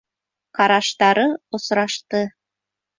Ҡараштары осрашты.